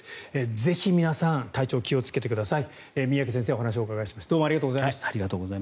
ぜひ、皆さん体調気をつけてください。